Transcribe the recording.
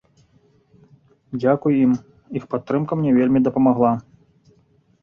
Дзякуй ім, іх падтрымка мне вельмі дапамагла.